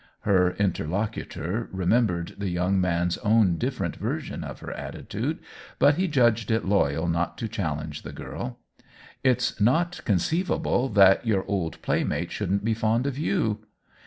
Her interlocutor remembered the young man's own different version of her attitude ; but he judged it loyal not to challenge the girl. " It's not conceivable that your old play mate shouldn't be fond of you.